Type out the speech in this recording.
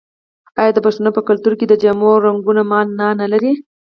آیا د پښتنو په کلتور کې د جامو رنګونه مانا نلري؟